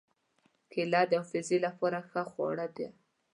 کېله د حافظې له پاره ښه خواړه ده.